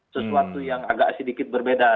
sesuatu yang agak sedikit berbeda